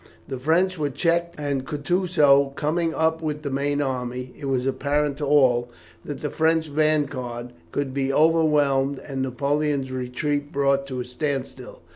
The French were checked, and Kutusow, coming up with the main army, it was apparent to all, that the French vanguard could be overwhelmed and Napoleon's retreat brought to a standstill.